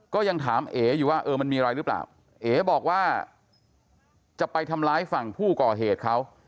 ก็ยังถามเอ๋อยู่ว่าเออมันมีอะไรหรือเปล่าเอ๋บอกว่าจะไปทำร้ายฝั่งผู้ก่อเหตุเขา